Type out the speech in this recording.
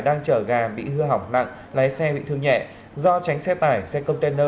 đang chở gà bị hư hỏng nặng lái xe bị thương nhẹ do tránh xe tải xe container đã lao xe